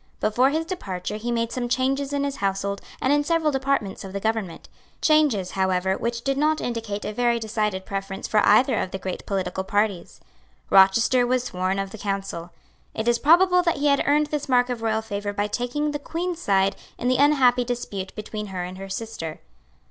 Before his departure he made some changes in his household and in several departments of the government; changes, however, which did not indicate a very decided preference for either of the great political parties. Rochester was sworn of the Council. It is probable that he had earned this mark of royal favour by taking the Queen's side in the unhappy dispute between her and her sister.